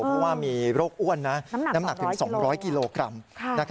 เพราะว่ามีโรคอ้วนน้ำหนักถึง๒๐๐กิโลกรัม